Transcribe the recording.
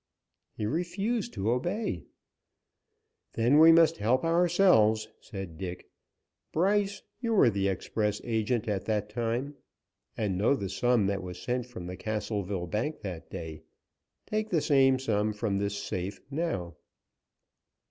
He refused to obey. "Then we must help ourselves," said Dick. "Bryce, you were express agent at that time, and know the sum that was sent from the Castleville bank that day. Take the same sum from this safe now."